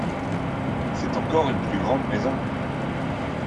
C’est encore une plus grande maison !